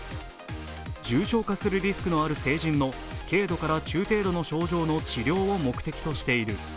重症化するリスクのある成人の軽度から中程度の症状の治療を目的としている。